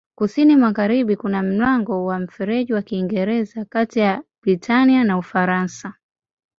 Kusini-magharibi kuna mlango wa Mfereji wa Kiingereza kati ya Britania na Ufaransa.